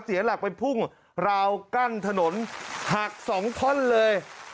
เสียลักษณ์เป็นพุ่งราวกั้นถนนหักสองคล้อนเลย